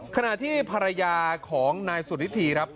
ขณะที่ภรรยาของนายสุนิธีครับ